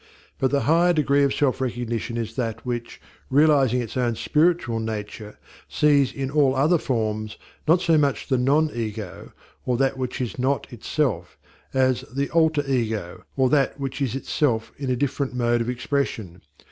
But the higher degree of self recognition is that which, realizing its own spiritual nature, sees in all other forms, not so much the non ego, or that which is not itself, as the alter ego, or that which is itself in a different mode of expression.